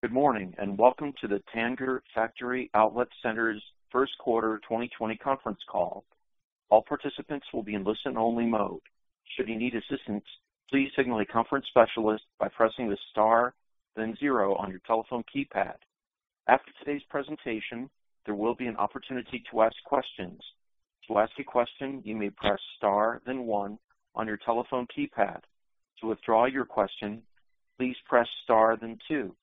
Good morning, welcome to the Tanger Factory Outlet Centers' first quarter 2020 conference call. All participants will be in listen-only mode. Should you need assistance, please signal a conference specialist by pressing the star then zero on your telephone keypad. After today's presentation, there will be an opportunity to ask questions. To ask a question, you may press star then one on your telephone keypad. To withdraw your question, please press star then two.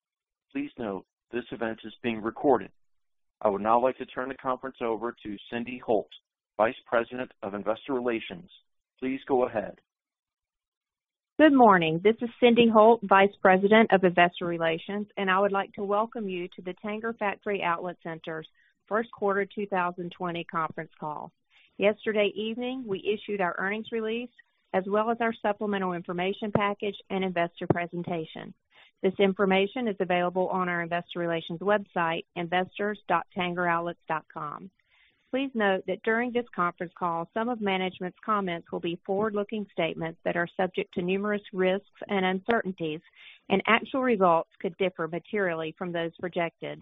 Please note, this event is being recorded. I would now like to turn the conference over to Cyndi Holt, Vice President of Investor Relations. Please go ahead. Good morning. This is Cyndi Holt, Vice President of Investor Relations, and I would like to welcome you to the Tanger Factory Outlet Center's first quarter 2020 conference call. Yesterday evening, we issued our earnings release, as well as our supplemental information package and investor presentation. This information is available on our investor relations website, investors.tangeroutlets.com. Please note that during this conference call, some of management's comments will be forward-looking statements that are subject to numerous risks and uncertainties, and actual results could differ materially from those projected.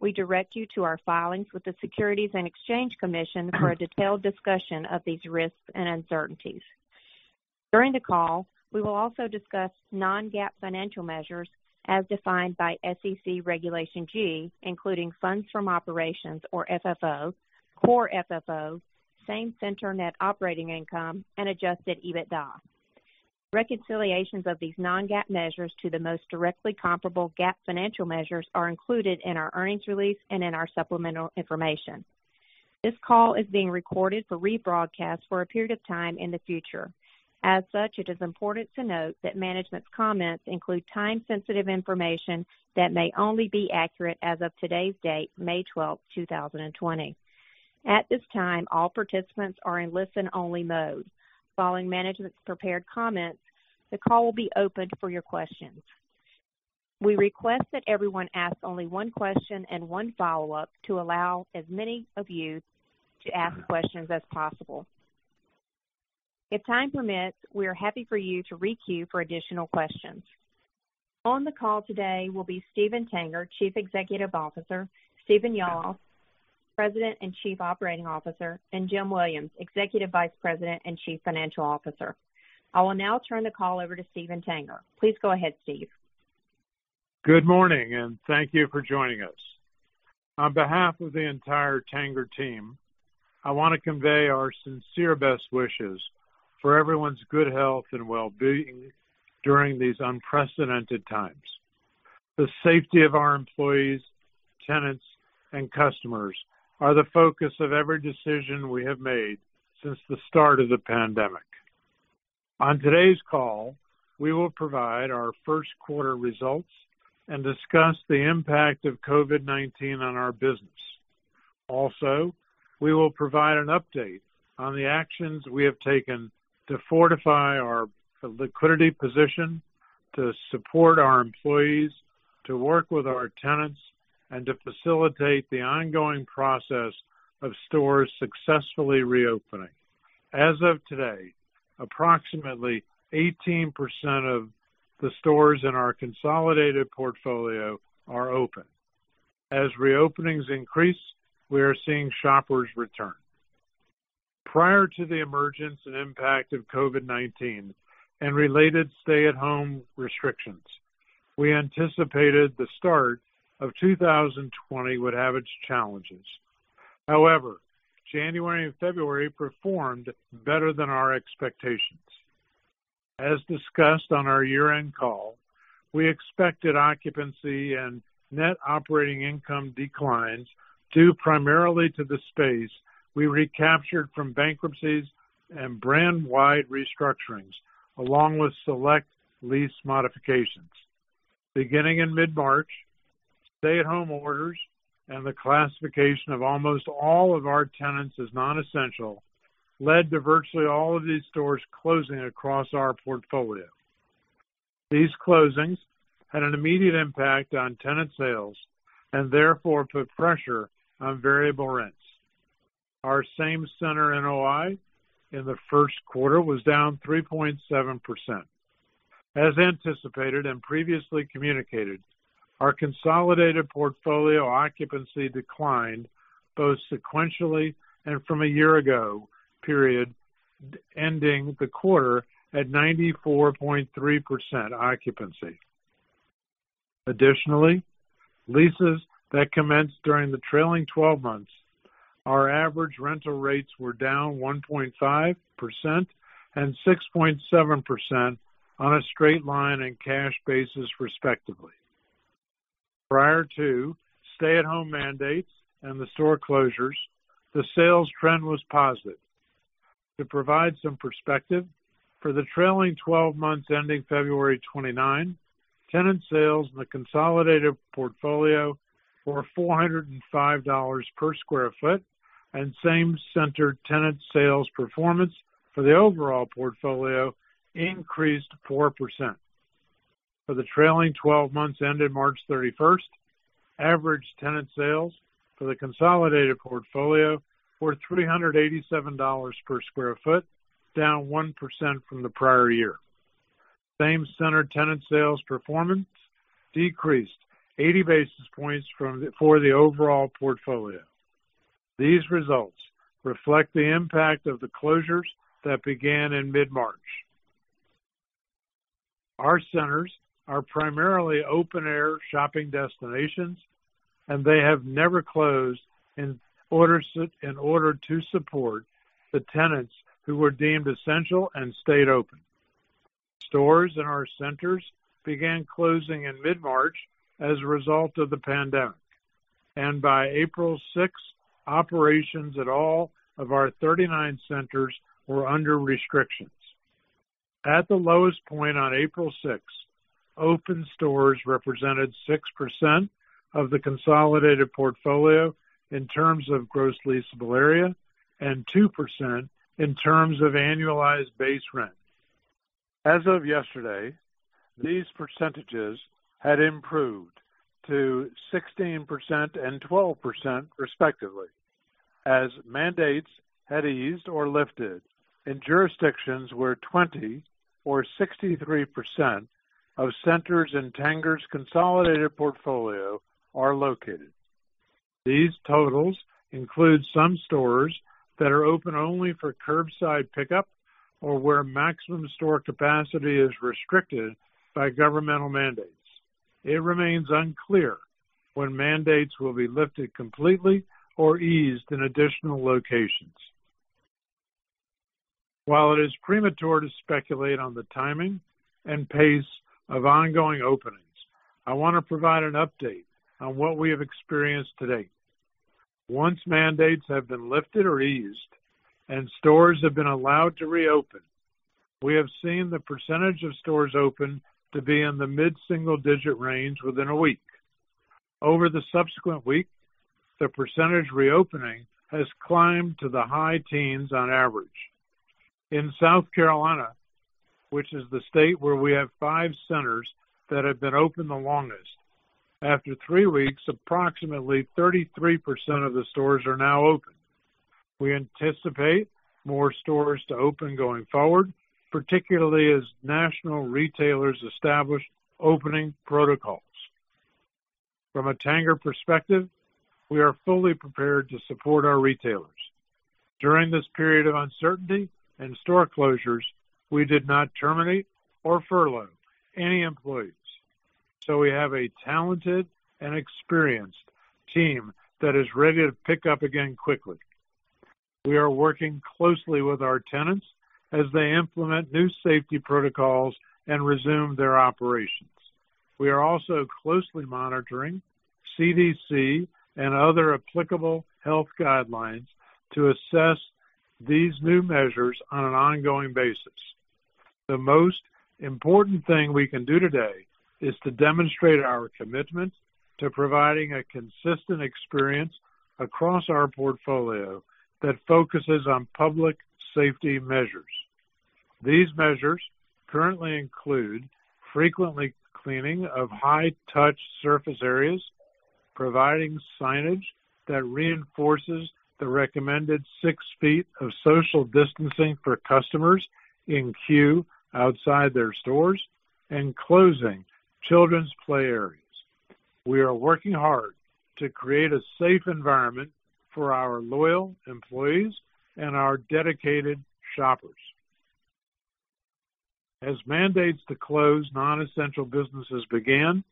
We direct you to our filings with the Securities and Exchange Commission for a detailed discussion of these risks and uncertainties. During the call, we will also discuss non-GAAP financial measures as defined by SEC Regulation G, including funds from operations or FFO, Core FFO, Same-Center Net Operating Income, and adjusted EBITDA. Reconciliations of these non-GAAP measures to the most directly comparable GAAP financial measures are included in our earnings release and in our supplemental information. This call is being recorded for rebroadcast for a period of time in the future. As such, it is important to note that management's comments include time-sensitive information that may only be accurate as of today's date, May 12, 2020. At this time, all participants are in listen-only mode. Following management's prepared comments, the call will be opened for your questions. We request that everyone asks only one question and one follow-up to allow as many of you to ask questions as possible. If time permits, we are happy for you to re-queue for additional questions. On the call today will be Steven Tanger, Chief Executive Officer, Stephen Yalof, President and Chief Operating Officer, and Jim Williams, Executive Vice President and Chief Financial Officer. I will now turn the call over to Steven Tanger. Please go ahead, Steve. Good morning, and thank you for joining us. On behalf of the entire Tanger team, I want to convey our sincere best wishes for everyone's good health and well-being during these unprecedented times. The safety of our employees, tenants, and customers are the focus of every decision we have made since the start of the pandemic. On today's call, we will provide our first quarter results and discuss the impact of COVID-19 on our business. Also, we will provide an update on the actions we have taken to fortify our liquidity position, to support our employees, to work with our tenants, and to facilitate the ongoing process of stores successfully reopening. As of today, approximately 18% of the stores in our consolidated portfolio are open. As reopenings increase, we are seeing shoppers return. Prior to the emergence and impact of COVID-19 and related stay-at-home restrictions, we anticipated the start of 2020 would have its challenges. However, January and February performed better than our expectations. As discussed on our year-end call, we expected occupancy and net operating income declines, due primarily to the space we recaptured from bankruptcies and brand-wide restructurings, along with select lease modifications. Beginning in mid-March, stay-at-home orders and the classification of almost all of our tenants as non-essential led to virtually all of these stores closing across our portfolio. These closings had an immediate impact on tenant sales and therefore put pressure on variable rents. Our Same Center NOI in the first quarter was down 3.7%. As anticipated and previously communicated, our consolidated portfolio occupancy declined both sequentially and from a year ago period ending the quarter at 94.3% occupancy. Additionally, leases that commenced during the trailing 12 months, our average rental rates were down 1.5% and 6.7% on a straight line and cash basis, respectively. Prior to stay-at-home mandates and the store closures, the sales trend was positive. To provide some perspective, for the trailing 12 months ending February 29, tenant sales in the consolidated portfolio were $405 per sq ft, and Same-Center tenant sales performance for the overall portfolio increased 4%. For the trailing 12 months ended March 31st, average tenant sales for the consolidated portfolio were $387 per sq ft, down 1% from the prior year. Same-Center tenant sales performance decreased 80 basis points for the overall portfolio. These results reflect the impact of the closures that began in mid-March. Our centers are primarily open-air shopping destinations, and they have never closed in order to support the tenants who were deemed essential and stayed open. Stores in our centers began closing in mid-March as a result of the pandemic. By April 6, operations at all of our 39 centers were under restrictions. At the lowest point on April 6, open stores represented 6% of the consolidated portfolio in terms of gross leasable area and 2% in terms of annualized base rent. As of yesterday, these percentages had improved to 16% and 12%, respectively, as mandates had eased or lifted in jurisdictions where 20% or 63% of centers in Tanger's consolidated portfolio are located. These totals include some stores that are open only for curbside pickup or where maximum store capacity is restricted by governmental mandates. It remains unclear when mandates will be lifted completely or eased in additional locations. While it is premature to speculate on the timing and pace of ongoing openings, I want to provide an update on what we have experienced to date. Once mandates have been lifted or eased and stores have been allowed to reopen, we have seen the percentage of stores open to be in the mid-single-digit range within a week. Over the subsequent week, the percentage reopening has climbed to the high teens on average. In South Carolina, which is the state where we have five centers that have been open the longest, after three weeks, approximately 33% of the stores are now open. We anticipate more stores to open going forward, particularly as national retailers establish opening protocols. From a Tanger perspective, we are fully prepared to support our retailers. During this period of uncertainty and store closures, we did not terminate or furlough any employees, so we have a talented and experienced team that is ready to pick up again quickly. We are working closely with our tenants as they implement new safety protocols and resume their operations. We are also closely monitoring CDC and other applicable health guidelines to assess these new measures on an ongoing basis. The most important thing we can do today is to demonstrate our commitment to providing a consistent experience across our portfolio that focuses on public safety measures. These measures currently include frequently cleaning of high-touch surface areas, providing signage that reinforces the recommended 6 ft of social distancing for customers in queue outside their stores, and closing children's play areas. We are working hard to create a safe environment for our loyal employees and our dedicated shoppers. As mandates to close non-essential businesses began,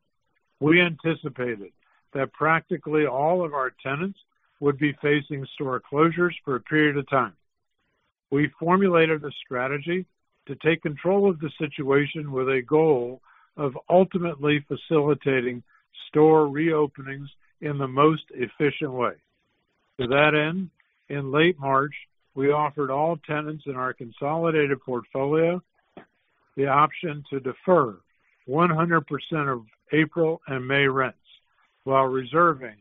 we anticipated that practically all of our tenants would be facing store closures for a period of time. We formulated a strategy to take control of the situation with a goal of ultimately facilitating store reopenings in the most efficient way. To that end, in late March, we offered all tenants in our consolidated portfolio the option to defer 100% of April and May rents while reserving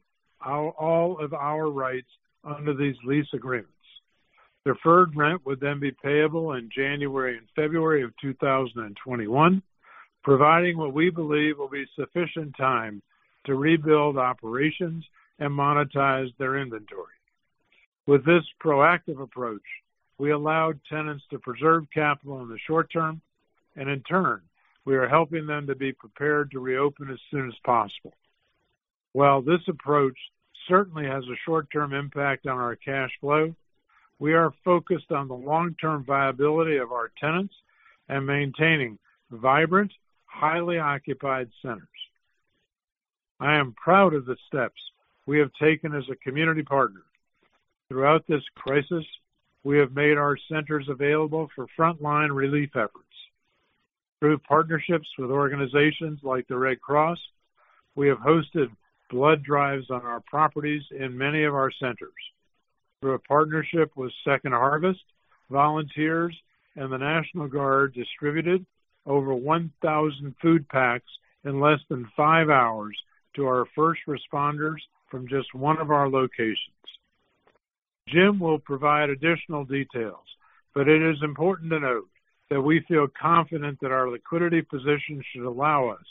all of our rights under these lease agreements. Deferred rent would then be payable in January and February of 2021, providing what we believe will be sufficient time to rebuild operations and monetize their inventory. With this proactive approach, we allowed tenants to preserve capital in the short term, and in turn, we are helping them to be prepared to reopen as soon as possible. While this approach certainly has a short-term impact on our cash flow, we are focused on the long-term viability of our tenants and maintaining vibrant, highly occupied centers. I am proud of the steps we have taken as a community partner. Throughout this crisis, we have made our centers available for frontline relief efforts. Through partnerships with organizations like the Red Cross, we have hosted blood drives on our properties in many of our centers. Through a partnership with Second Harvest, volunteers and the National Guard distributed over 1,000 food packs in less than five hours to our first responders from just one of our locations. Jim will provide additional details, but it is important to note that we feel confident that our liquidity position should allow us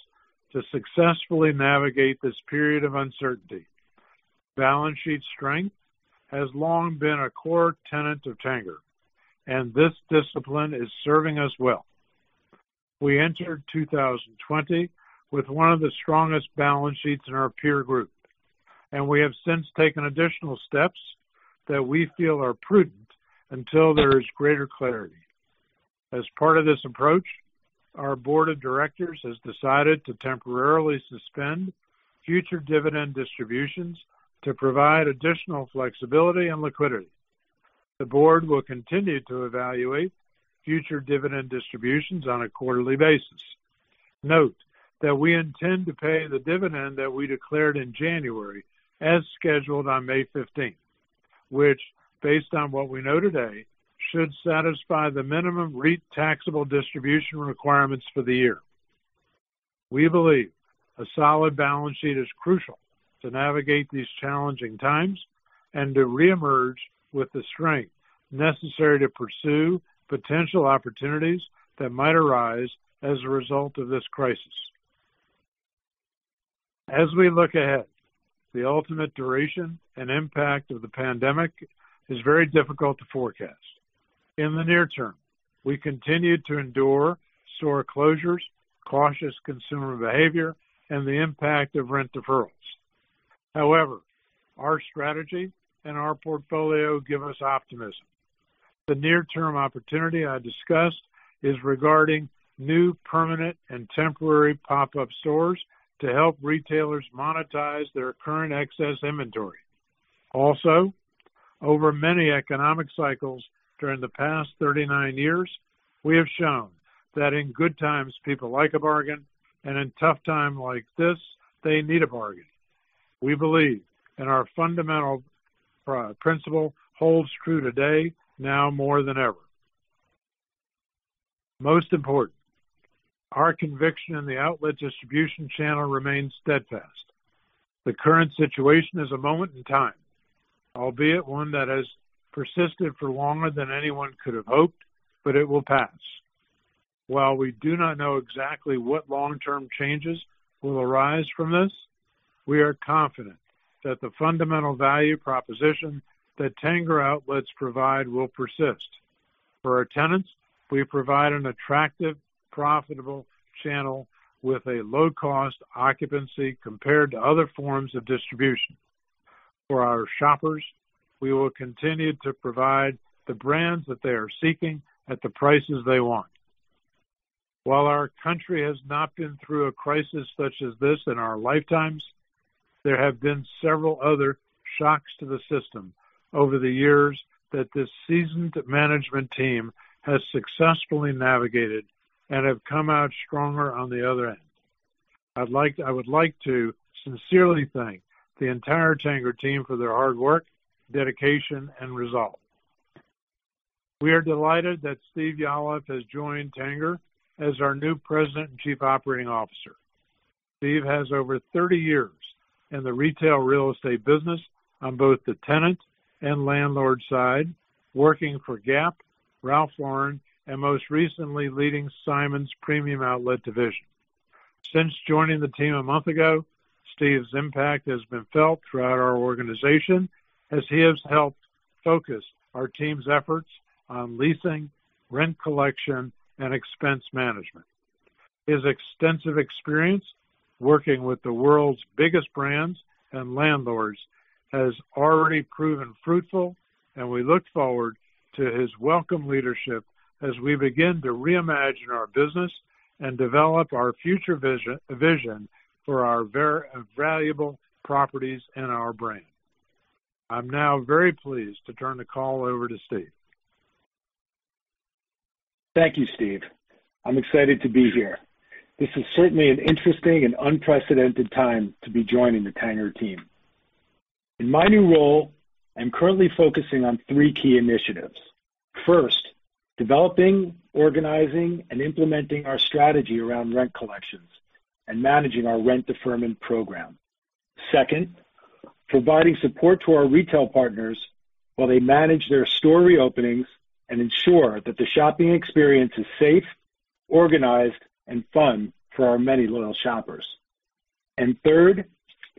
to successfully navigate this period of uncertainty. Balance sheet strength has long been a core tenet of Tanger, and this discipline is serving us well. We entered 2020 with one of the strongest balance sheets in our peer group, and we have since taken additional steps that we feel are prudent until there is greater clarity. As part of this approach, our board of directors has decided to temporarily suspend future dividend distributions to provide additional flexibility and liquidity. The board will continue to evaluate future dividend distributions on a quarterly basis. Note that we intend to pay the dividend that we declared in January as scheduled on May 15th, which based on what we know today, should satisfy the minimum REIT taxable distribution requirements for the year. We believe a solid balance sheet is crucial to navigate these challenging times and to reemerge with the strength necessary to pursue potential opportunities that might arise as a result of this crisis. As we look ahead, the ultimate duration and impact of the pandemic is very difficult to forecast. In the near term, we continue to endure store closures, cautious consumer behavior, and the impact of rent deferrals. However, our strategy and our portfolio give us optimism. The near-term opportunity I discussed is regarding new permanent and temporary pop-up stores to help retailers monetize their current excess inventory. Also, over many economic cycles during the past 39 years, we have shown that in good times, people like a bargain, and in tough times like this, they need a bargain. We believe, and our fundamental principle holds true today, now more than ever. Most important, our conviction in the outlet distribution channel remains steadfast. The current situation is a moment in time, albeit one that has persisted for longer than anyone could have hoped, but it will pass. While we do not know exactly what long-term changes will arise from this, we are confident that the fundamental value proposition that Tanger Outlets provide will persist. For our tenants, we provide an attractive, profitable channel with a low-cost occupancy compared to other forms of distribution. For our shoppers, we will continue to provide the brands that they are seeking at the prices they want. While our country has not been through a crisis such as this in our lifetimes, there have been several other shocks to the system over the years that this seasoned management team has successfully navigated and have come out stronger on the other end. I would like to sincerely thank the entire Tanger team for their hard work, dedication, and resolve. We are delighted that Steve Yalof has joined Tanger as our new President and Chief Operating Officer. Steve has over 30 years in the retail real estate business on both the tenant and landlord side, working for Gap, Ralph Lauren, and most recently leading Simon's Premium Outlet division. Since joining the team a month ago, Steve's impact has been felt throughout our organization as he has helped focus our team's efforts on leasing, rent collection, and expense management. His extensive experience working with the world's biggest brands and landlords has already proven fruitful, and we look forward to his welcome leadership as we begin to reimagine our business and develop our future vision for our valuable properties and our brand. I'm now very pleased to turn the call over to Steve. Thank you, Steve. I'm excited to be here. This is certainly an interesting and unprecedented time to be joining the Tanger team. In my new role, I'm currently focusing on three key initiatives. First, developing, organizing, and implementing our strategy around rent collections and managing our rent deferment program. Second, providing support to our retail partners while they manage their store reopenings and ensure that the shopping experience is safe, organized, and fun for our many loyal shoppers. Third,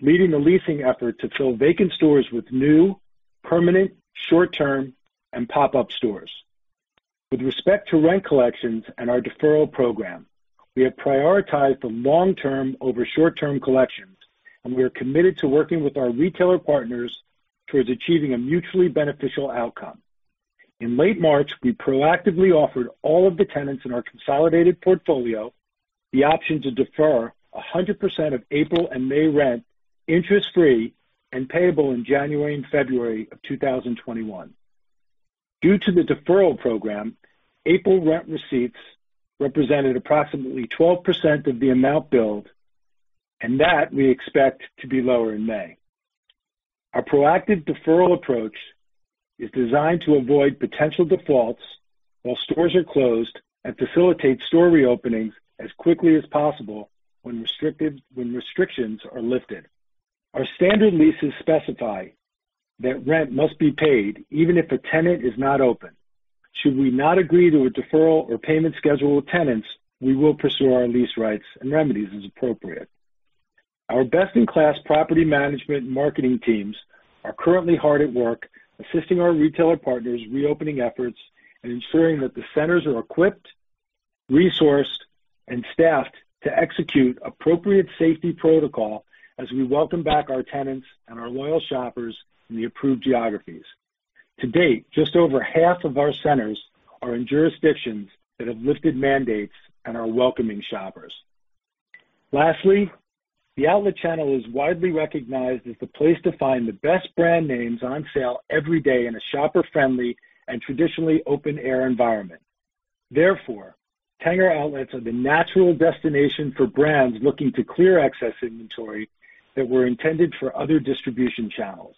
leading the leasing effort to fill vacant stores with new, permanent, short-term, and pop-up stores. With respect to rent collections and our deferral program, we have prioritized the long-term over short-term collections, and we are committed to working with our retailer partners towards achieving a mutually beneficial outcome. In late March, we proactively offered all of the tenants in our consolidated portfolio the option to defer 100% of April and May rent interest-free and payable in January and February of 2021. Due to the deferral program, April rent receipts represented approximately 12% of the amount billed, and that we expect to be lower in May. Our proactive deferral approach is designed to avoid potential defaults while stores are closed and facilitate store re-openings as quickly as possible when restrictions are lifted. Our standard leases specify that rent must be paid even if a tenant is not open. Should we not agree to a deferral or payment schedule with tenants, we will pursue our lease rights and remedies as appropriate. Our best-in-class property management and marketing teams are currently hard at work assisting our retailer partners' reopening efforts and ensuring that the centers are equipped, resourced, and staffed to execute appropriate safety protocol as we welcome back our tenants and our loyal shoppers in the approved geographies. To date, just over half of our centers are in jurisdictions that have lifted mandates and are welcoming shoppers. Lastly, the outlet channel is widely recognized as the place to find the best brand names on sale every day in a shopper-friendly and traditionally open-air environment. Therefore, Tanger Outlets are the natural destination for brands looking to clear excess inventory that were intended for other distribution channels.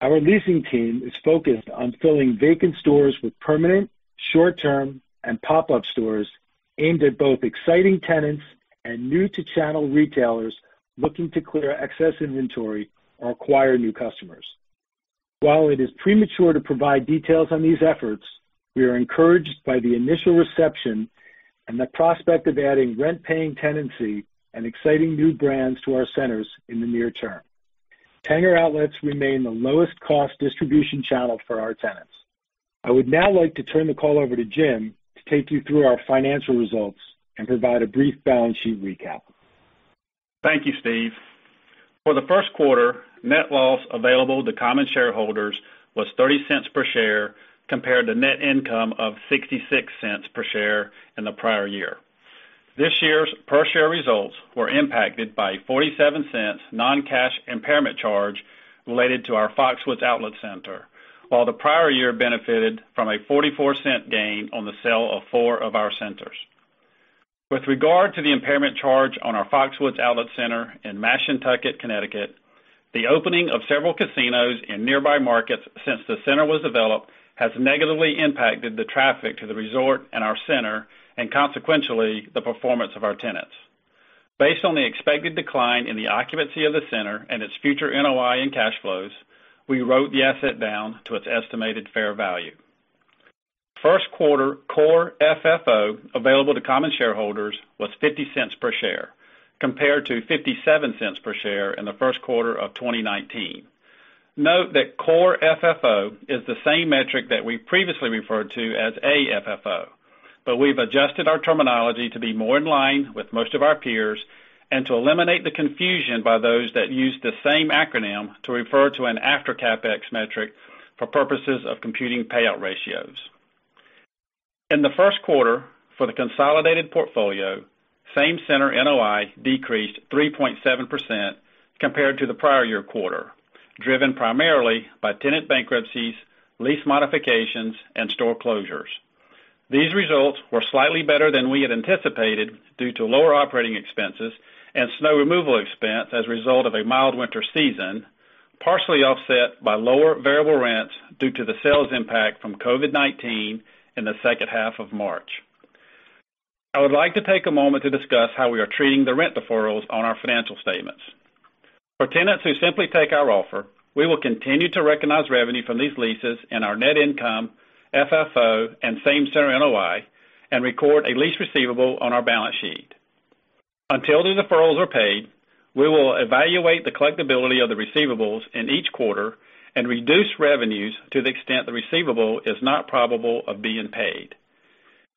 Our leasing team is focused on filling vacant stores with permanent, short-term and pop-up stores aimed at both exciting tenants and new-to-channel retailers looking to clear excess inventory or acquire new customers. While it is premature to provide details on these efforts, we are encouraged by the initial reception and the prospect of adding rent-paying tenancy and exciting new brands to our centers in the near term. Tanger Outlets remain the lowest cost distribution channel for our tenants. I would now like to turn the call over to Jim to take you through our financial results and provide a brief balance sheet recap. Thank you, Steve. For the first quarter, net loss available to common shareholders was $0.30 per share compared to net income of $0.66 per share in the prior year. This year's per-share results were impacted by $0.47 non-cash impairment charge related to our Foxwoods Outlet Center. While the prior year benefited from a $0.44 gain on the sale of four of our centers. With regard to the impairment charge on our Foxwoods Outlet Center in Mashantucket, Connecticut, the opening of several casinos in nearby markets since the center was developed has negatively impacted the traffic to the resort and our center and consequentially, the performance of our tenants. Based on the expected decline in the occupancy of the center and its future NOI and cash flows, we wrote the asset down to its estimated fair value. First quarter Core FFO available to common shareholders was $0.50 per share, compared to $0.57 per share in the first quarter of 2019. Note that Core FFO is the same metric that we previously referred to as AFFO, we've adjusted our terminology to be more in line with most of our peers and to eliminate the confusion by those that use the same acronym to refer to an after CapEx metric for purposes of computing payout ratios. In the first quarter, for the consolidated portfolio, Same Center NOI decreased 3.7% compared to the prior year quarter, driven primarily by tenant bankruptcies, lease modifications, and store closures. These results were slightly better than we had anticipated due to lower operating expenses and snow removal expense as a result of a mild winter season, partially offset by lower variable rents due to the sales impact from COVID-19 in the second half of March. I would like to take a moment to discuss how we are treating the rent deferrals on our financial statements. For tenants who simply take our offer, we will continue to recognize revenue from these leases in our net income, FFO, and Same Center NOI and record a lease receivable on our balance sheet. Until the deferrals are paid, we will evaluate the collectibility of the receivables in each quarter and reduce revenues to the extent the receivable is not probable of being paid.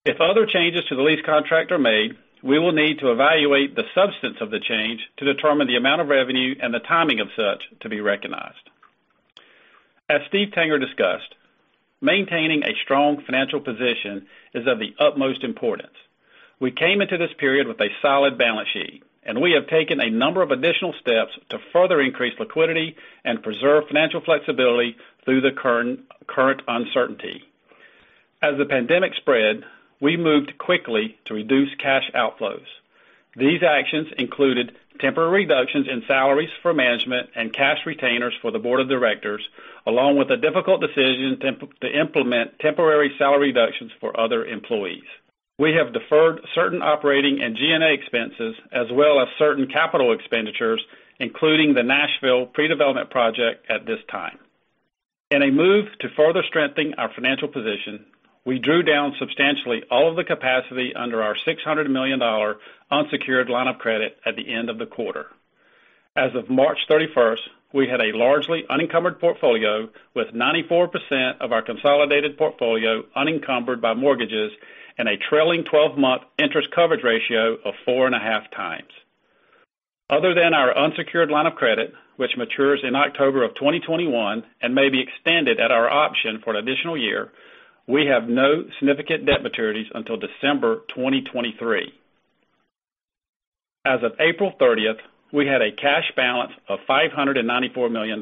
If other changes to the lease contract are made, we will need to evaluate the substance of the change to determine the amount of revenue and the timing of such to be recognized. As Steve Tanger discussed, maintaining a strong financial position is of the utmost importance. We came into this period with a solid balance sheet, and we have taken a number of additional steps to further increase liquidity and preserve financial flexibility through the current uncertainty. As the pandemic spread, we moved quickly to reduce cash outflows. These actions included temporary reductions in salaries for management and cash retainers for the board of directors, along with the difficult decision to implement temporary salary reductions for other employees. We have deferred certain operating and G&A expenses as well as certain capital expenditures, including the Nashville pre-development project at this time. In a move to further strengthen our financial position, we drew down substantially all of the capacity under our $600 million unsecured line of credit at the end of the quarter. As of March 31st, we had a largely unencumbered portfolio with 94% of our consolidated portfolio unencumbered by mortgages and a trailing 12-month interest coverage ratio of 4.5x other than our unsecured line of credit, which matures in October of 2021 and may be extended at our option for an additional year, we have no significant debt maturities until December 2023. As of April 30th, we had a cash balance of $594 million.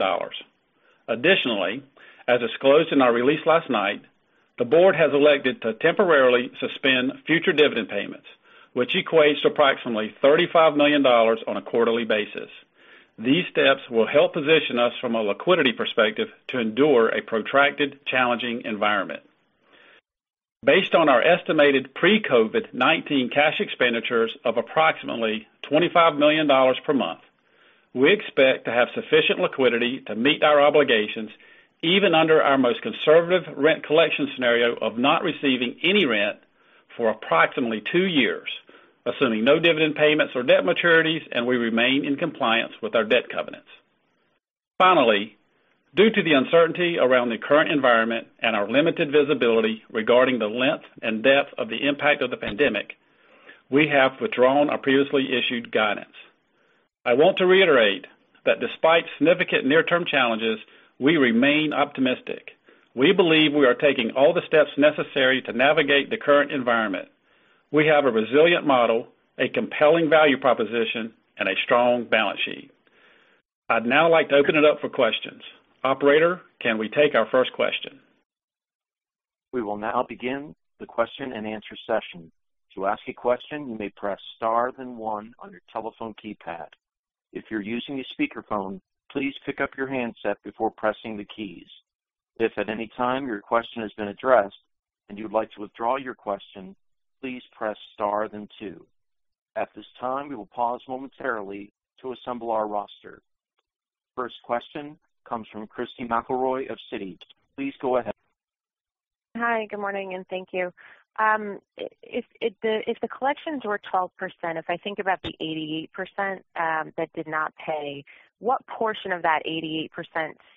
Additionally, as disclosed in our release last night, the board has elected to temporarily suspend future dividend payments, which equates to approximately $35 million on a quarterly basis. These steps will help position us from a liquidity perspective to endure a protracted, challenging environment. Based on our estimated pre-COVID-19 cash expenditures of approximately $25 million per month, we expect to have sufficient liquidity to meet our obligations, even under our most conservative rent collection scenario of not receiving any rent for approximately two years, assuming no dividend payments or debt maturities, and we remain in compliance with our debt covenants. Finally, due to the uncertainty around the current environment and our limited visibility regarding the length and depth of the impact of the pandemic, we have withdrawn our previously issued guidance. I want to reiterate that despite significant near-term challenges, we remain optimistic. We believe we are taking all the steps necessary to navigate the current environment. We have a resilient model, a compelling value proposition, and a strong balance sheet. I'd now like to open it up for questions. Operator, can we take our first question? We will now begin the question-and-answer session. To ask a question, you may press star then one on your telephone keypad. If you're using a speakerphone, please pick up your handset before pressing the keys. If at any time your question has been addressed and you'd like to withdraw your question, please press star then two. At this time, we will pause momentarily to assemble our roster. First question comes from Christy McElroy of Citi. Please go ahead. Hi, good morning, and thank you. If the collections were 12%, if I think about the 88% that did not pay, what portion of that 88%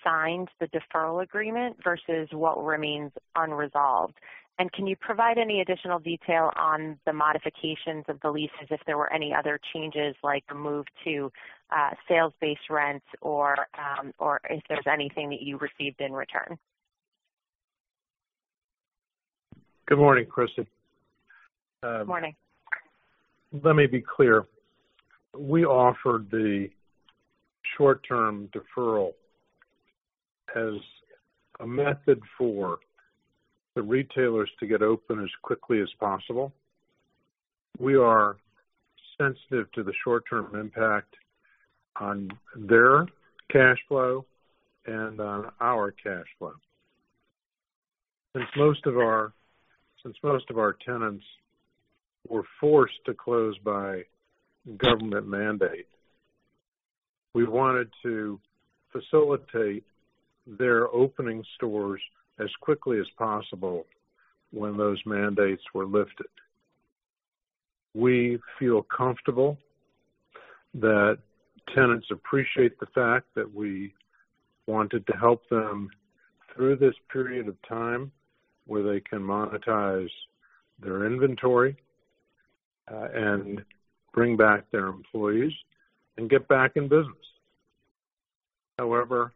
signed the deferral agreement versus what remains unresolved? Can you provide any additional detail on the modifications of the leases if there were any other changes, like a move to sales-based rents or if there's anything that you received in return? Good morning, Christy. Let me be clear. We offered the short-term deferral as a method for the retailers to get open as quickly as possible. We are sensitive to the short-term impact on their cash flow and on our cash flow. Since most of our tenants were forced to close by government mandate, we wanted to facilitate their opening stores as quickly as possible when those mandates were lifted. We feel comfortable that tenants appreciate the fact that we wanted to help them through this period of time where they can monetize their inventory, and bring back their employees, and get back in business. However,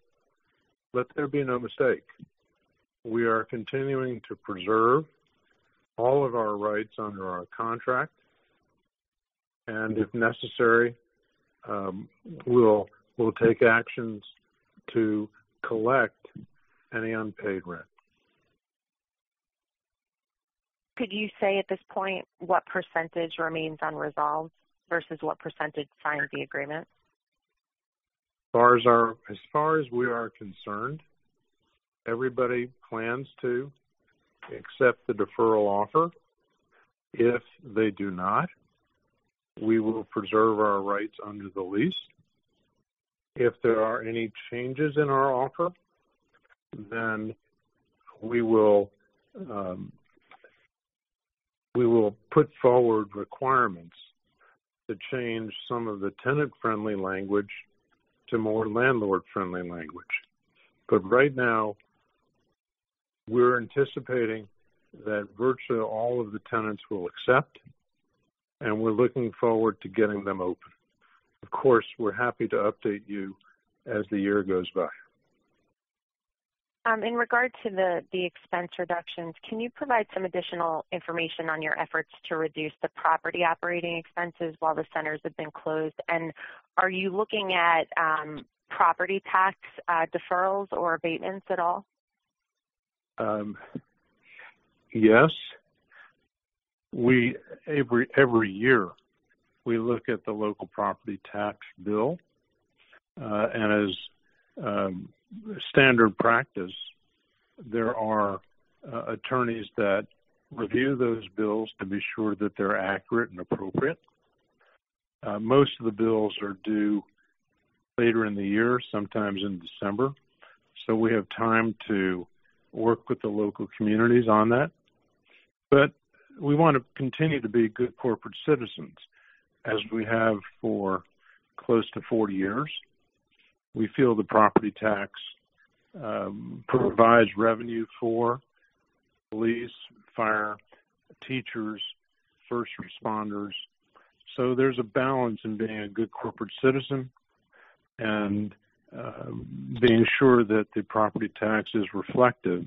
let there be no mistake, we are continuing to preserve all of our rights under our contract, and if necessary, we'll take actions to collect any unpaid rent. Could you say at this point what percentage remains unresolved versus what percentage signed the agreement? As far as we are concerned, everybody plans to accept the deferral offer. If they do not, we will preserve our rights under the lease. If there are any changes in our offer, we will put forward requirements to change some of the tenant-friendly language to more landlord-friendly language. Right now, we're anticipating that virtually all of the tenants will accept, and we're looking forward to getting them open. Of course, we're happy to update you as the year goes by. In regard to the expense reductions, can you provide some additional information on your efforts to reduce the property operating expenses while the centers have been closed? Are you looking at property tax deferrals or abatements at all? Yes. Every year, we look at the local property tax bill. As standard practice, there are attorneys that review those bills to be sure that they're accurate and appropriate. Most of the bills are due later in the year, sometimes in December, so we have time to work with the local communities on that. We want to continue to be good corporate citizens as we have for close to 40 years. We feel the property tax provides revenue for police, fire, teachers, first responders. There's a balance in being a good corporate citizen and being sure that the property tax is reflective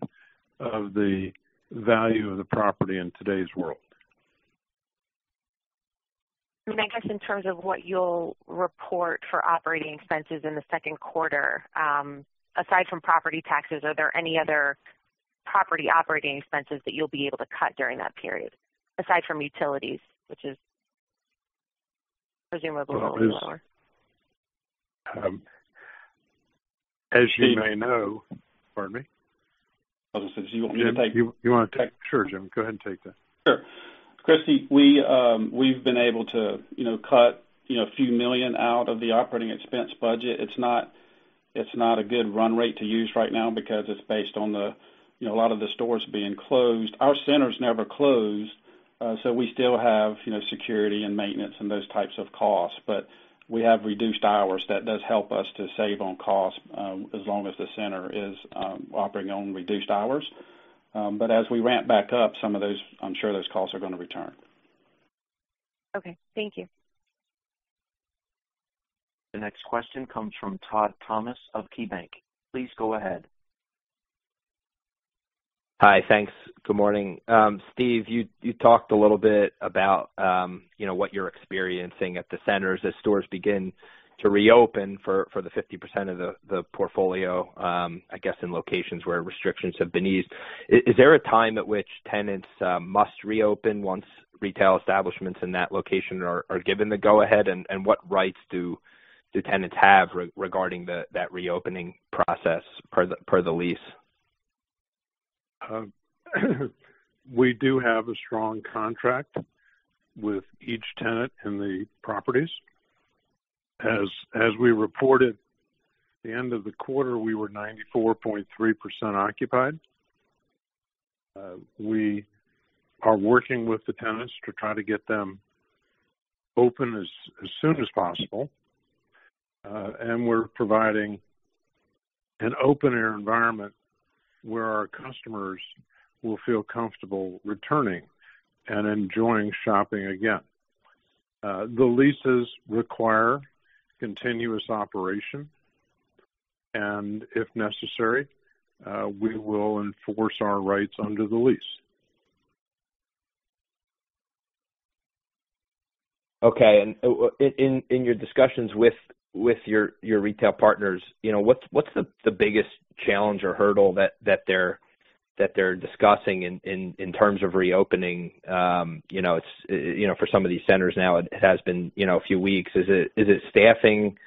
of the value of the property in today's world. I guess in terms of what you'll report for operating expenses in the second quarter. Aside from property taxes, are there any other property operating expenses that you'll be able to cut during that period, aside from utilities, which is presumably going to be lower? Well, as you may know. Pardon me? Sure, Jim, go ahead and take that. Sure. Christy, we've been able to cut a few million out of the operating expense budget. It's not a good run rate to use right now because it's based on a lot of the stores being closed. Our centers never closed, we still have security and maintenance and those types of costs. We have reduced hours. That does help us to save on cost as long as the center is operating on reduced hours. As we ramp back up, some of those, I'm sure those costs are going to return. Okay. Thank you. The next question comes from Todd Thomas of KeyBanc. Please go ahead. Hi. Thanks. Good morning. Steve, you talked a little bit about what you're experiencing at the centers as stores begin to reopen for the 50% of the portfolio, I guess, in locations where restrictions have been eased. Is there a time at which tenants must reopen once retail establishments in that location are given the go ahead? What rights do tenants have regarding that reopening process per the lease? We do have a strong contract with each tenant in the properties. As we reported, the end of the quarter, we were 94.3% occupied. We are working with the tenants to try to get them open as soon as possible. We're providing an open air environment where our customers will feel comfortable returning and enjoying shopping again. The leases require continuous operation, and if necessary, we will enforce our rights under the lease. Okay. In your discussions with your retail partners, what's the biggest challenge or hurdle that they're discussing in terms of reopening? For some of these centers now it has been a few weeks. Is it staffing,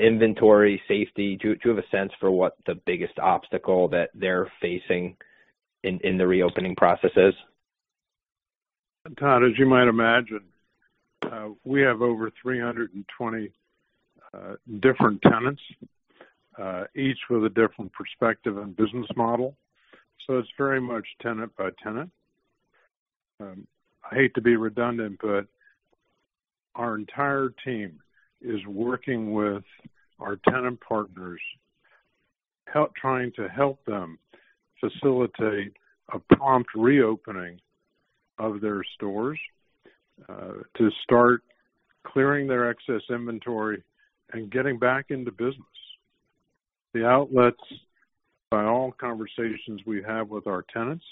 inventory, safety? Do you have a sense for what the biggest obstacle that they're facing in the reopening process is? Todd, as you might imagine, we have over 320 different tenants, each with a different perspective and business model. It's very much tenant by tenant. I hate to be redundant, but our entire team is working with our tenant partners, trying to help them facilitate a prompt reopening of their stores to start clearing their excess inventory and getting back into business. The outlets, by all conversations we have with our tenants,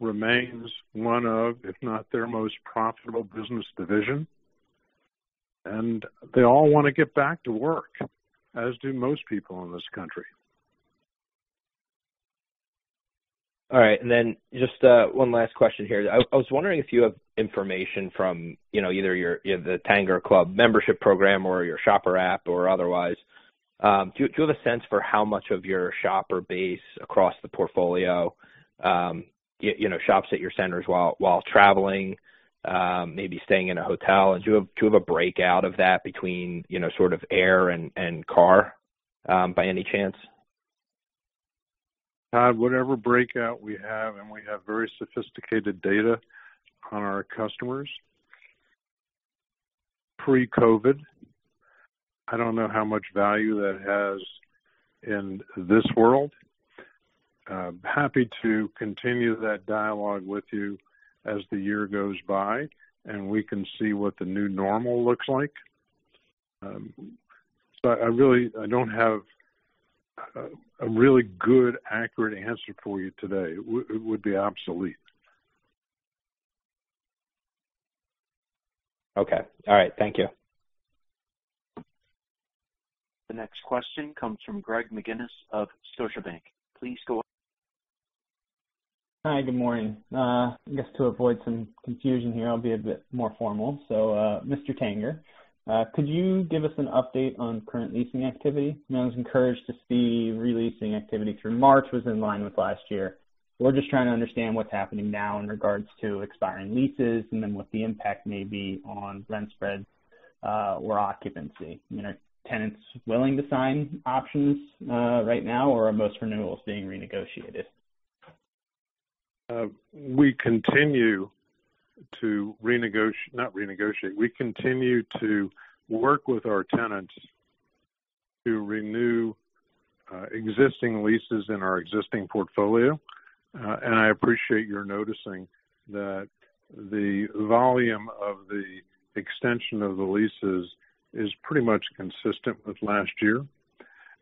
remains one of, if not their most profitable business division, and they all want to get back to work, as do most people in this country. All right. Just one last question here. I was wondering if you have information from either your, the TangerClub membership program or your shopper app or otherwise. Do you have a sense for how much of your shopper base across the portfolio shops at your centers while traveling, maybe staying in a hotel? Do you have a breakout of that between air and car by any chance? Todd, whatever breakout we have, and we have very sophisticated data on our customers pre-COVID, I don't know how much value that has in this world. Happy to continue that dialogue with you as the year goes by and we can see what the new normal looks like. I don't have a really good, accurate answer for you today. It would be obsolete. Okay. All right. Thank you. The next question comes from Greg McGinniss of Scotiabank. Please go ahead. Hi. Good morning. I guess to avoid some confusion here, I'll be a bit more formal. Mr. Tanger, could you give us an update on current leasing activity? I was encouraged to see re-leasing activity through March was in line with last year. We're just trying to understand what's happening now in regards to expiring leases and then what the impact may be on rent spreads or occupancy. Are tenants willing to sign options right now or are most renewals being renegotiated? We continue to work with our tenants to renew existing leases in our existing portfolio. I appreciate your noticing that the volume of the extension of the leases is pretty much consistent with last year.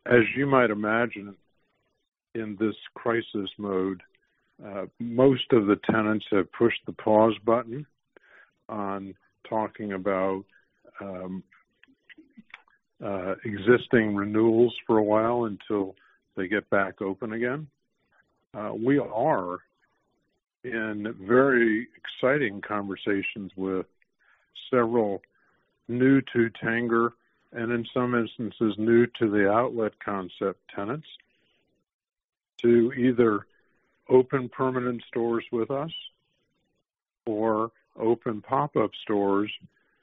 As you might imagine, in this crisis mode, most of the tenants have pushed the pause button on talking about existing renewals for a while until they get back open again. We are in very exciting conversations with several new-to-Tanger, and in some instances, new to the outlet concept tenants, to either open permanent stores with us or open pop-up stores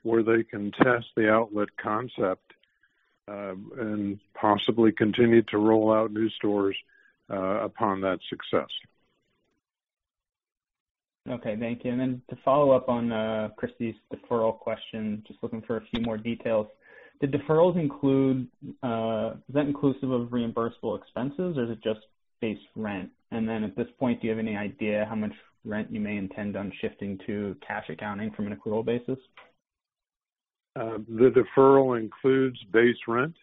where they can test the outlet concept, and possibly continue to roll out new stores upon that success. Okay. Thank you. Then to follow up on Christy's deferral question, just looking for a few more details. Do deferrals include, is that inclusive of reimbursable expenses or is it just base rent? Then at this point, do you have any idea how much rent you may intend on shifting to cash accounting from an accrual basis? The deferral includes base rent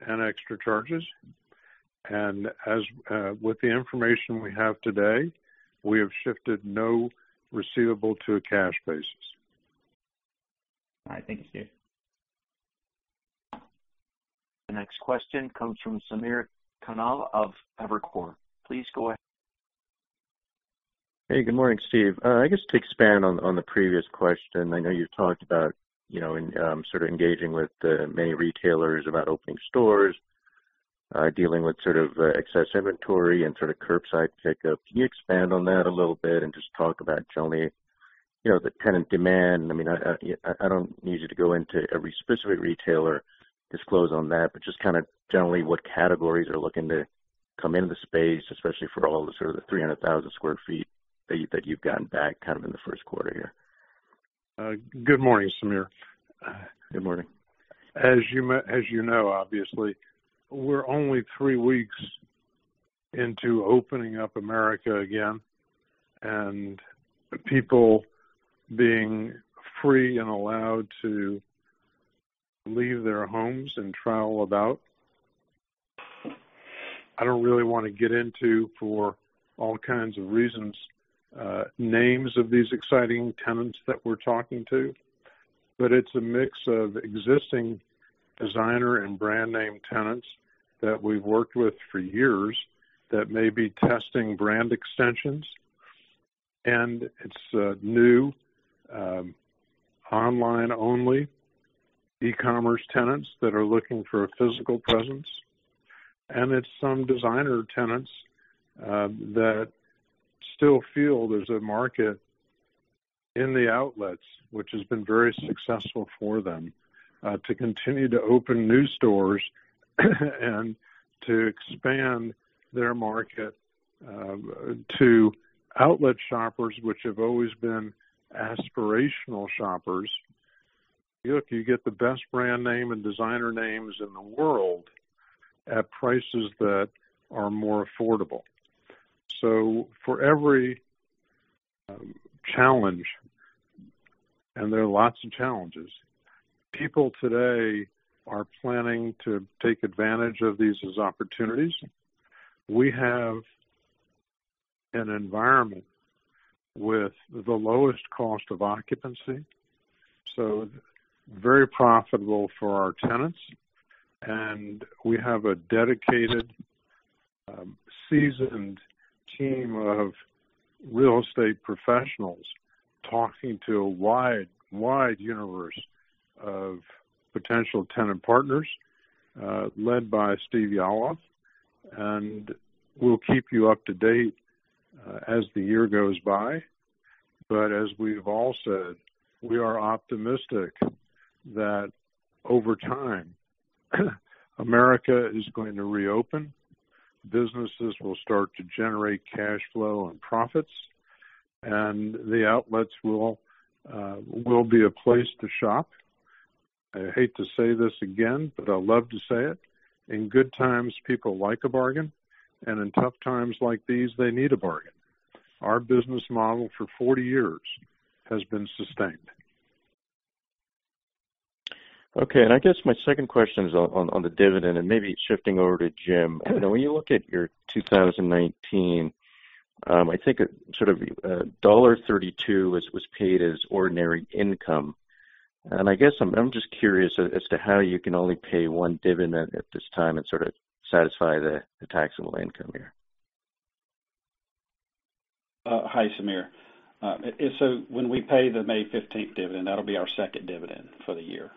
and extra charges. With the information we have today, we have shifted no receivable to a cash basis. All right. Thank you, Steve. The next question comes from Samir Khanal of Evercore. Please go ahead. Hey, good morning, Steve. I guess to expand on the previous question, I know you talked about sort of engaging with many retailers about opening stores, dealing with sort of excess inventory and sort of curbside pickup. Can you expand on that a little bit and just talk about generally, the kind of demand. I don't need you to go into every specific retailer disclose on that, but just kind of generally what categories are looking to come into the space, especially for all the sort of the 300,000 sq ft that you've gotten back kind of in the first quarter here. Good morning, Samir. Good morning. As you know, obviously, we're only three weeks into opening up America again, and people being free and allowed to leave their homes and travel about. I don't really want to get into, for all kinds of reasons, names of these exciting tenants that we're talking to. It's a mix of existing designer and brand name tenants that we've worked with for years that may be testing brand extensions. It's new, online-only ecommerce tenants that are looking for a physical presence. It's some designer tenants that still feel there's a market in the outlets, which has been very successful for them, to continue to open new stores and to expand their market to outlet shoppers, which have always been aspirational shoppers. Look, you get the best brand name and designer names in the world at prices that are more affordable. For every challenge, and there are lots of challenges, people today are planning to take advantage of these as opportunities. We have an environment with the lowest cost of occupancy, so very profitable for our tenants. We have a dedicated, seasoned team of real estate professionals talking to a wide universe of potential tenant partners, led by Steve Yalof. We'll keep you up to date as the year goes by. As we've all said, we are optimistic that over time, America is going to reopen. Businesses will start to generate cash flow and profits, and the outlets will be a place to shop. I hate to say this again, but I love to say it. In good times, people like a bargain, and in tough times like these, they need a bargain. Our business model for 40 years has been sustained. Okay. I guess my second question is on the dividend and maybe shifting over to Jim. When you look at your 2019, I think sort of $1.32 was paid as ordinary income. I guess I'm just curious as to how you can only pay one dividend at this time and sort of satisfy the taxable income here. Hi, Samir. When we pay the May 15th dividend, that'll be our second dividend for the year.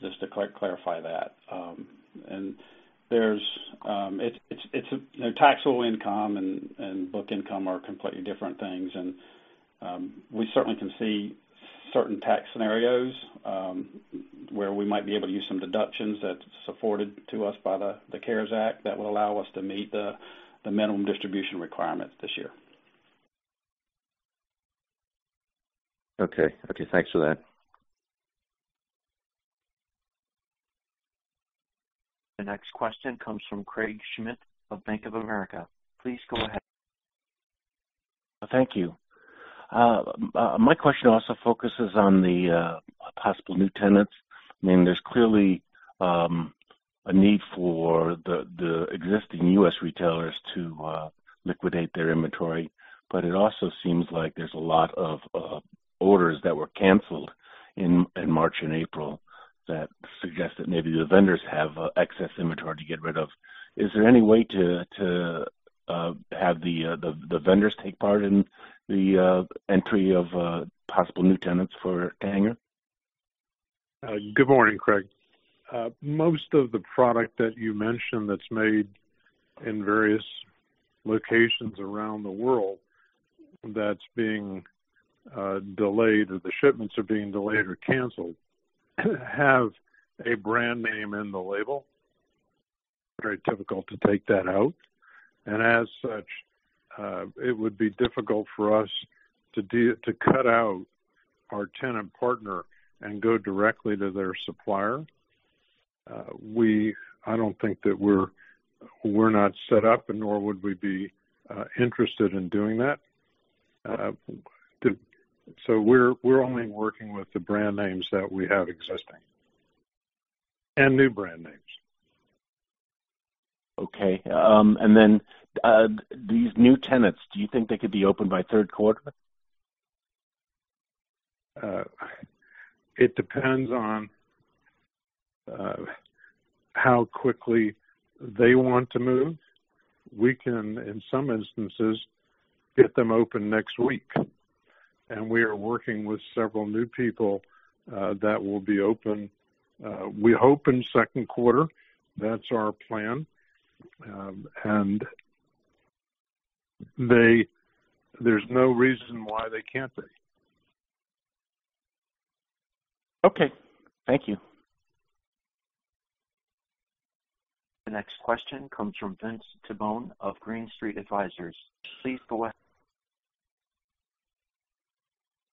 Just to clarify that. Taxable income and book income are completely different things, and we certainly can see certain tax scenarios, where we might be able to use some deductions that's afforded to us by the CARES Act that will allow us to meet the minimum distribution requirements this year. Okay. Thanks for that. The next question comes from Craig Schmidt of Bank of America. Please go ahead. Thank you. My question also focuses on the possible new tenants. There's clearly a need for the existing U.S. retailers to liquidate their inventory. It also seems like there's a lot of orders that were canceled in March and April that suggest that maybe the vendors have excess inventory to get rid of. Is there any way to have the vendors take part in the entry of possible new tenants for Tanger? Good morning, Craig. Most of the product that you mentioned that's made in various locations around the world that's being delayed, or the shipments are being delayed or canceled, have a brand name in the label. Very difficult to take that out. As such, it would be difficult for us to cut out our tenant partner and go directly to their supplier. We're not set up, nor would we be interested in doing that. We're only working with the brand names that we have existing, and new brand names. Okay. These new tenants, do you think they could be open by third quarter? It depends on how quickly they want to move. We can, in some instances, get them open next week. We are working with several new people that will be open, we hope in second quarter. That's our plan. There's no reason why they can't be. Okay. Thank you. The next question comes from Vince Tibone of Green Street Advisors. Please go ahead.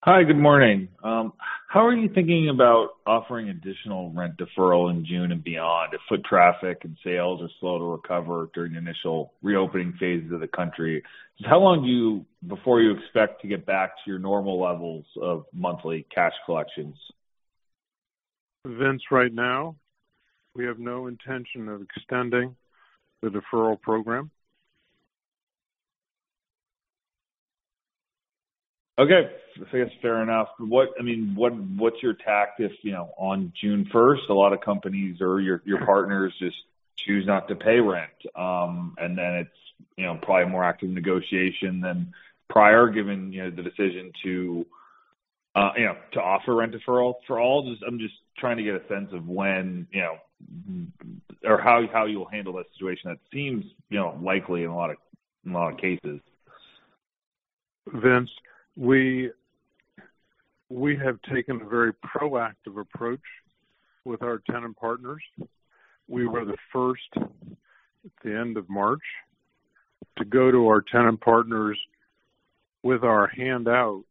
Hi. Good morning. How are you thinking about offering additional rent deferral in June and beyond if foot traffic and sales are slow to recover during the initial reopening phases of the country? Just how long before you expect to get back to your normal levels of monthly cash collections? Vince, right now, we have no intention of extending the deferral program. Okay. I guess fair enough. What's your tact if on June 1st, a lot of companies or your partners just choose not to pay rent, and then it's probably more active negotiation than prior given the decision to offer rent deferral for all? I'm just trying to get a sense of when or how you will handle that situation. That seems likely in a lot of cases. Vince, we have taken a very proactive approach with our tenant partners. We were the first at the end of March to go to our tenant partners with our hand out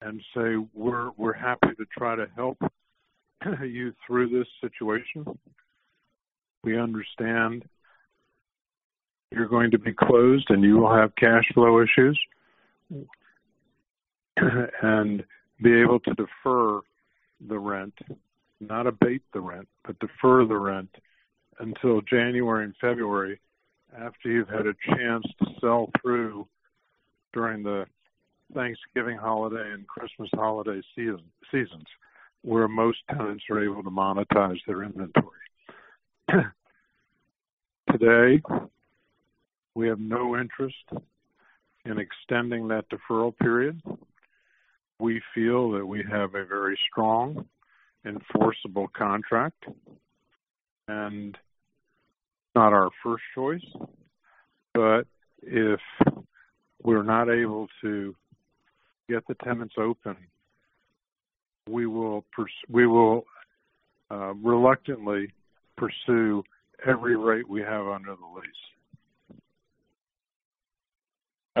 and say, "We're happy to try to help you through this situation. We understand you're going to be closed, and you will have cash flow issues, and be able to defer the rent, not abate the rent, but defer the rent until January and February after you've had a chance to sell through during the Thanksgiving holiday and Christmas holiday seasons, where most tenants are able to monetize their inventory." Today, we have no interest in extending that deferral period. We feel that we have a very strong enforceable contract, and not our first choice. If we're not able to get the tenants open, we will reluctantly pursue every right we have under the lease.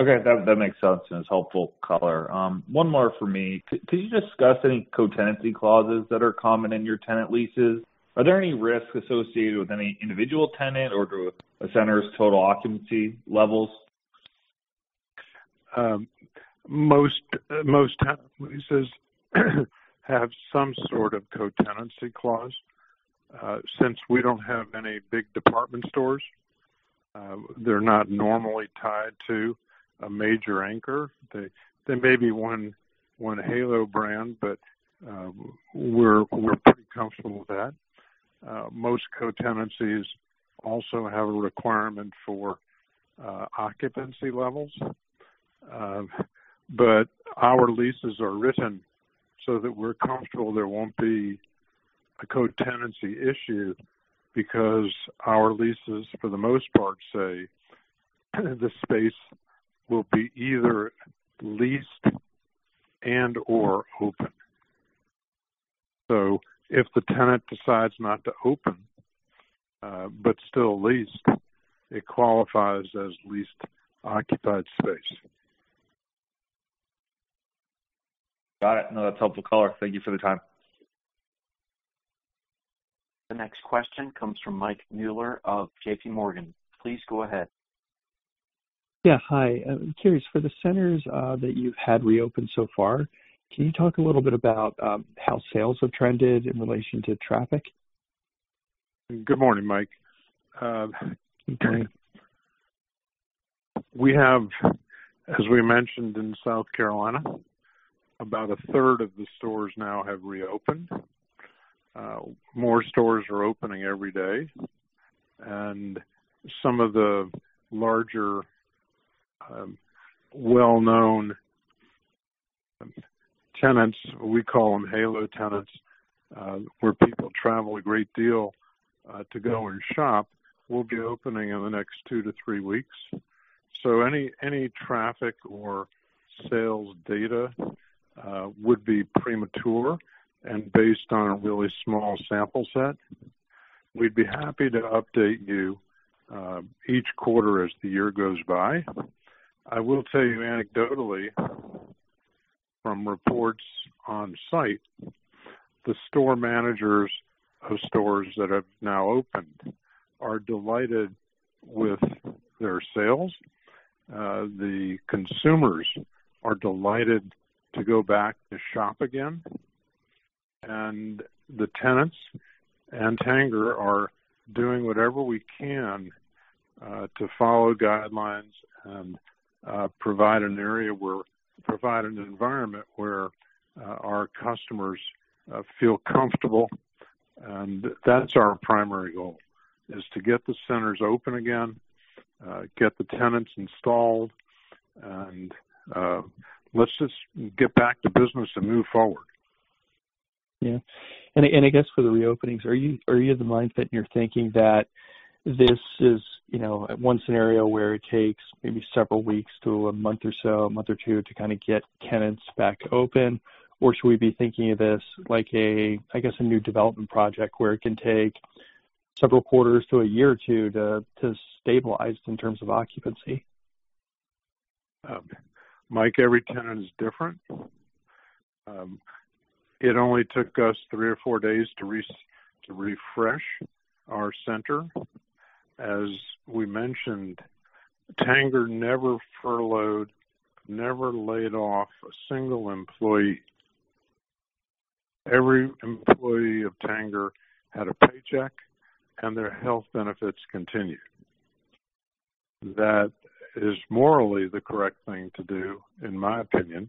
That makes sense and is helpful color. One more for me. Could you discuss any co-tenancy clauses that are common in your tenant leases? Are there any risks associated with any individual tenant or to a center's total occupancy levels? Most tenant leases have some sort of co-tenancy clause. Since we don't have any big department stores, they're not normally tied to a major anchor. There may be one halo brand, but we're pretty comfortable with that. Most co-tenancies also have a requirement for occupancy levels. Our leases are written so that we're comfortable there won't be a co-tenancy issue because our leases, for the most part, say the space will be either leased and/or open. If the tenant decides not to open but still lease, it qualifies as leased occupied space. Got it. No, that's helpful color. Thank you for the time. The next question comes from Mike Mueller of JPMorgan. Please go ahead. Yeah. Hi. I'm curious, for the centers that you've had reopened so far, can you talk a little bit about how sales have trended in relation to traffic? Good morning, Mike. We have, as we mentioned in South Carolina, about a third of the stores now have reopened. More stores are opening every day. Some of the larger, well-known tenants, we call them halo tenants, where people travel a great deal to go and shop, will be opening in the next two to three weeks. Any traffic or sales data would be premature and based on a really small sample set. We'd be happy to update you each quarter as the year goes by. I will tell you anecdotally from reports on site, the store managers of stores that have now opened are delighted with their sales. The consumers are delighted to go back to shop again. The tenants and Tanger are doing whatever we can to follow guidelines and provide an environment where our customers feel comfortable. That's our primary goal, is to get the centers open again, get the tenants installed, and let's just get back to business and move forward. Yeah. I guess for the reopenings, are you of the mind that you're thinking that this is one scenario where it takes maybe several weeks to a month or so, a month or two to kind of get tenants back open? Or should we be thinking of this like a, I guess, a new development project where it can take several quarters to a year or two to stabilize in terms of occupancy? Mike, every tenant is different. It only took us three or four days to refresh our center. As we mentioned, Tanger never furloughed, never laid off a single employee. Every employee of Tanger had a paycheck, and their health benefits continued. That is morally the correct thing to do, in my opinion,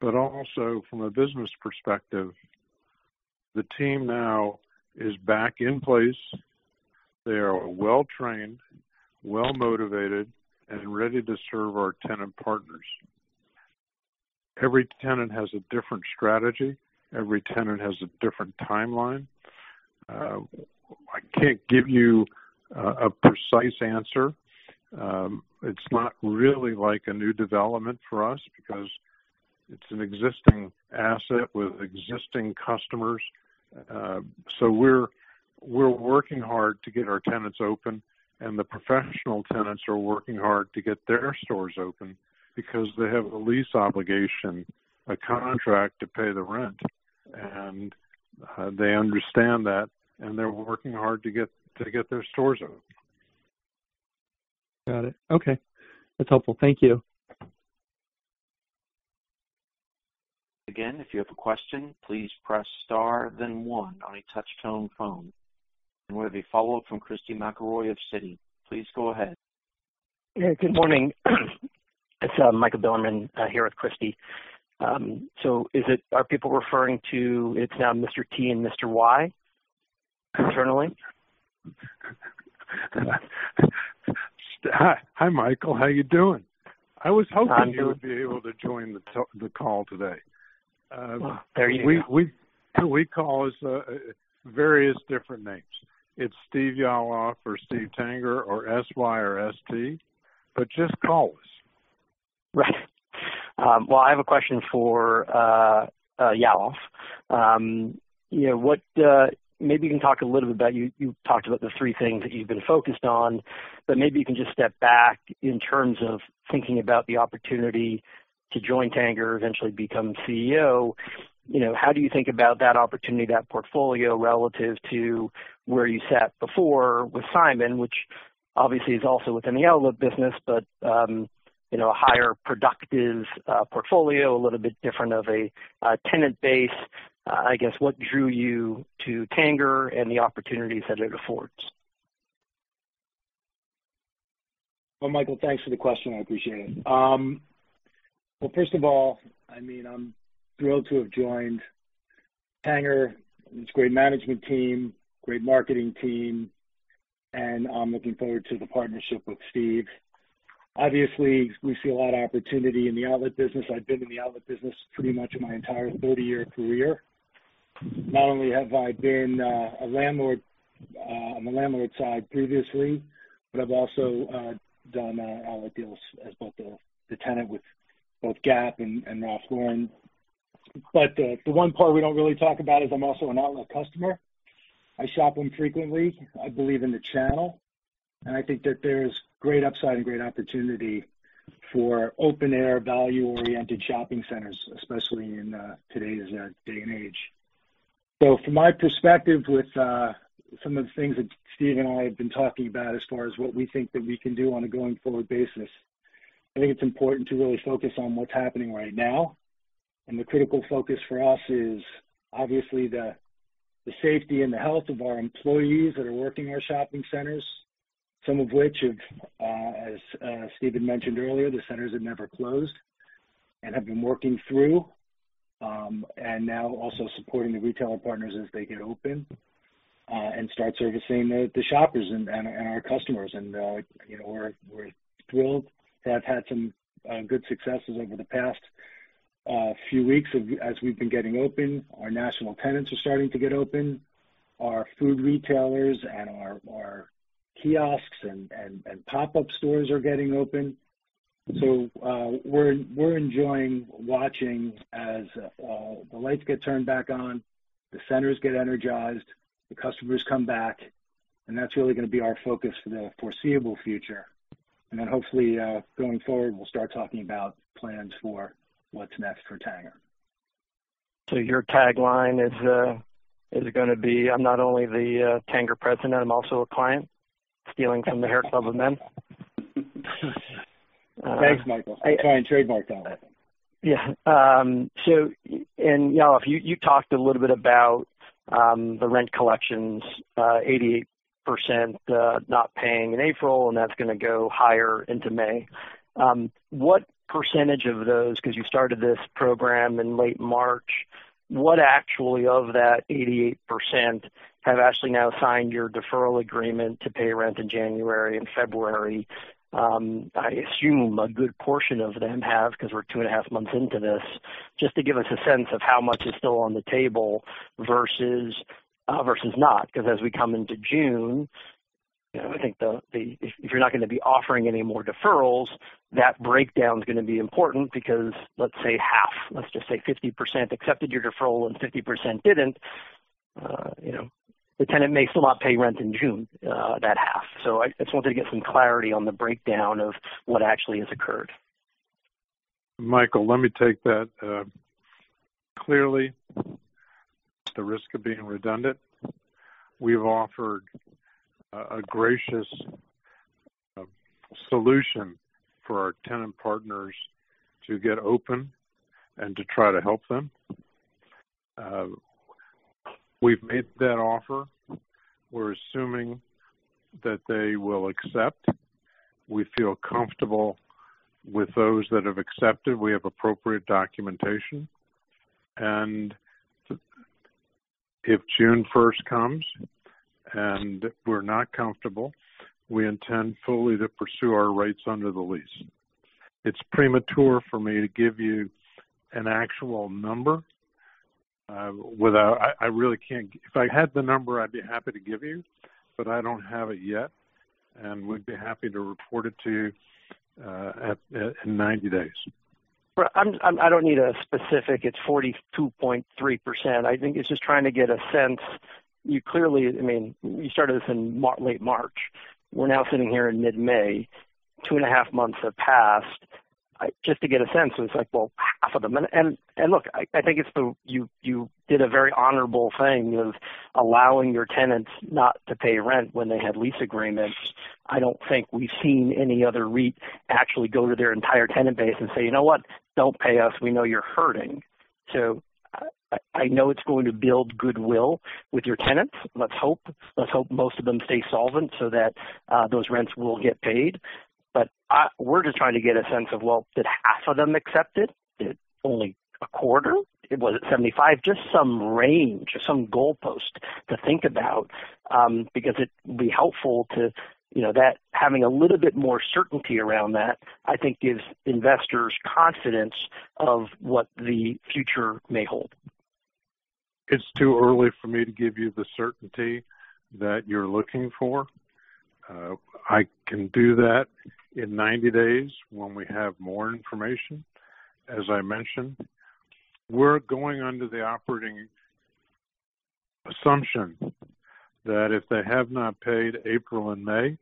but also from a business perspective, the team now is back in place. They are well-trained, well-motivated, and ready to serve our tenant partners. Every tenant has a different strategy. Every tenant has a different timeline. I can't give you a precise answer. It's not really like a new development for us because it's an existing asset with existing customers. We're working hard to get our tenants open, and the professional tenants are working hard to get their stores open because they have a lease obligation, a contract to pay the rent. They understand that, and they're working hard to get their stores open. Got it. Okay. That's helpful. Thank you. Again, if you have a question, please press star then one on a touch-tone phone. We have a follow-up from Christy McElroy of Citi. Please go ahead. Yeah. Good morning. It's Michael Bilerman here with Christy. Are people referring to it's now Mr. T and Mr. Y internally? Hi, Michael. How are you doing? I was hoping you would be able to join the call today. We call us various different names. It's Steve Yalof or Steve Tanger or SY or ST, but just call us. Right. Well, I have a question for Yalof. You talked about the three things that you've been focused on, but maybe you can just step back in terms of thinking about the opportunity to join Tanger, eventually become CEO. How do you think about that opportunity, that portfolio relative to where you sat before with Simon, which obviously is also within the outlet business, but a higher productive portfolio, a little bit different of a tenant base. I guess, what drew you to Tanger and the opportunities that it affords? Michael, thanks for the question. I appreciate it. First of all, I'm thrilled to have joined Tanger. It's a great management team, great marketing team, and I'm looking forward to the partnership with Steve. Obviously, we see a lot of opportunity in the outlet business. I've been in the outlet business pretty much my entire 30-year career. Not only have I been on the landlord side previously, but I've also done outlet deals as both a tenant with both Gap and Ralph Lauren. The one part we don't really talk about is I'm also an outlet customer. I shop them frequently. I believe in the channel, and I think that there's great upside and great opportunity for open-air, value-oriented shopping centers, especially in today's day and age. So from my perspective, with some of the things that Steve and I have been talking about as far as what we think that we can do on a going forward basis, I think it's important to really focus on what's happening right now. The critical focus for us is obviously the safety and the health of our employees that are working our shopping centers, some of which have, as Steven mentioned earlier, the centers have never closed, and have been working through, and now also supporting the retail partners as they get open, and start servicing the shoppers and our customers. We're thrilled to have had some good successes over the past few weeks as we've been getting open. Our national tenants are starting to get open. Our food retailers and our kiosks and pop-up stores are getting open. We're enjoying watching as the lights get turned back on, the centers get energized, the customers come back, and that's really going to be our focus for the foreseeable future. Hopefully, going forward, we'll start talking about plans for what's next for Tanger. Your tagline is going to be, "I'm not only the Tanger President, I'm also a client," stealing from the Hair Club for Men. Thanks, Michael. I'll try and trademark that. Yeah. Yalof, you talked a little bit about the rent collections, 88% not paying in April, and that's going to go higher into May. What percentage of those, because you started this program in late March, what actually of that 88% have actually now signed your deferral agreement to pay rent in January and February? I assume a good portion of them have because we're two and a half months into this. Just to give us a sense of how much is still on the table versus not. As we come into June, I think if you're not going to be offering any more deferrals, that breakdown is going to be important because let's say half, let's just say 50% accepted your deferral and 50% didn't, the tenant may still not pay rent in June, that half. I just wanted to get some clarity on the breakdown of what actually has occurred. Michael, let me take that. Clearly, at the risk of being redundant, we've offered a gracious solution for our tenant partners to get open and to try to help them. We've made that offer. We're assuming that they will accept. We feel comfortable with those that have accepted. We have appropriate documentation. If June 1st comes and we're not comfortable, we intend fully to pursue our rights under the lease. It's premature for me to give you an actual number. If I had the number, I'd be happy to give you, but I don't have it yet, and we'd be happy to report it to you in 90 days. I don't need a specific it's 42.3%. I think it's just trying to get a sense. You started this in late March. We're now sitting here in mid-May, two and a half months have passed. Just to get a sense of it's like, well, half of them. Look, I think you did a very honorable thing of allowing your tenants not to pay rent when they had lease agreements. I don't think we've seen any other REIT actually go to their entire tenant base and say, "You know what? Don't pay us. We know you're hurting." I know it's going to build goodwill with your tenants. Let's hope most of them stay solvent so that those rents will get paid. We're just trying to get a sense of, well, did half of them accept it? Did only a quarter? Was it 75?Just some range, some goalpost to think about. That having a little bit more certainty around that, I think gives investors confidence of what the future may hold. It's too early for me to give you the certainty that you're looking for. I can do that in 90 days when we have more information, as I mentioned. We're going under the operating assumption that if they have not paid April and May,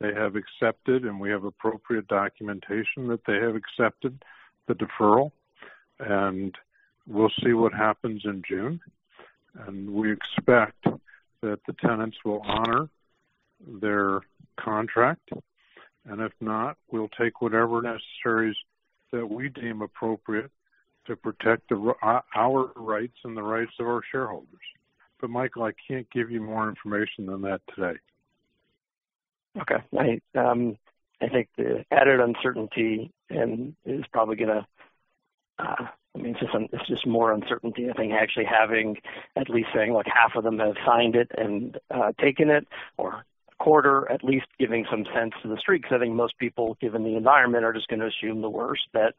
they have accepted, and we have appropriate documentation that they have accepted the deferral, and we'll see what happens in June. We expect that the tenants will honor their contract, and if not, we'll take whatever necessaries that we deem appropriate to protect our rights and the rights of our shareholders. Michael, I can't give you more information than that today. Okay. I think the added uncertainty and it's just more uncertainty. I think actually having at least saying like half of them have signed it and taken it, or a quarter, at least giving some sense to the street because I think most people, given the environment, are just going to assume the worst, that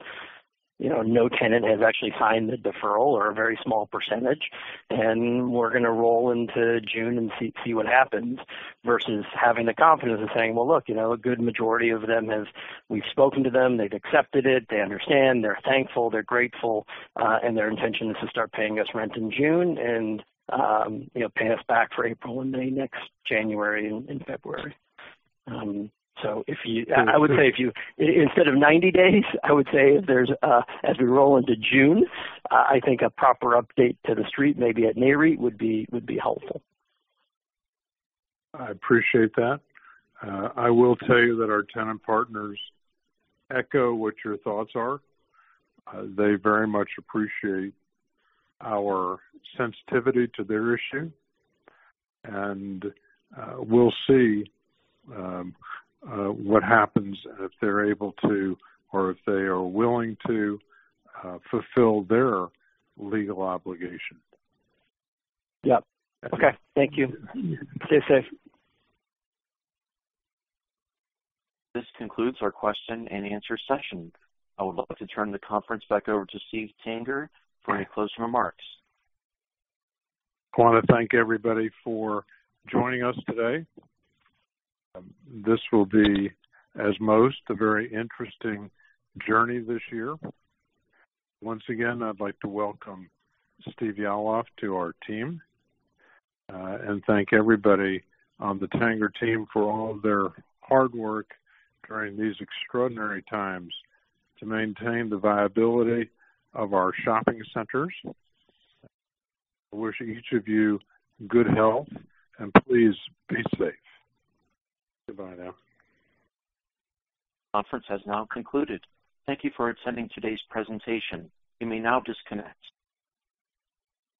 no tenant has actually signed the deferral or a very small percentage. We're going to roll into June and see what happens versus having the confidence of saying, "Well, look, a good majority of them, we've spoken to them. They've accepted it. They understand. They're thankful. They're grateful. Their intention is to start paying us rent in June and pay us back for April and May next January and February. I would say if you, instead of 90 days, I would say as we roll into June, I think a proper update to the street, maybe at NAREIT, would be helpful. I appreciate that. I will tell you that our tenant partners echo what your thoughts are. They very much appreciate our sensitivity to their issue, and we'll see what happens if they're able to, or if they are willing to, fulfill their legal obligation. Yep. Okay. Thank you. Stay safe. This concludes our question-and-answer session. I would like to turn the conference back over to Steve Tanger for any closing remarks. I want to thank everybody for joining us today. This will be, as most, a very interesting journey this year. Once again, I'd like to welcome Steve Yalof to our team. Thank everybody on the Tanger team for all of their hard work during these extraordinary times to maintain the viability of our shopping centers. I'm wishing each of you good health, and please be safe. Goodbye now. Conference has now concluded. Thank you for attending today's presentation. You may now disconnect.